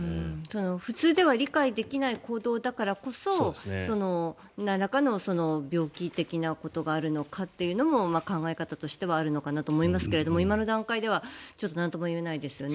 普通では理解できない行動だからこそなんらかの病気的なことがあるのかというのも考え方としてはあるのかなと思いますけれど今の段階では、ちょっとなんとも言えないですよね。